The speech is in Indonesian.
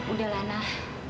udah lah nah